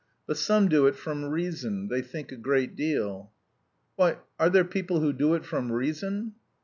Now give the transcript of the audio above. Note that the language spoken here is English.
But some do it from reason they think a great deal." "Why, are there people who do it from reason?"